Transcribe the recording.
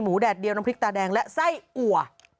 แดดเดียวน้ำพริกตาแดงและไส้อัว